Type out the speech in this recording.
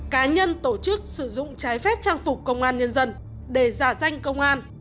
cá nhân tổ chức sử dụng trái phép trang phục công an nhân dân để giả danh công an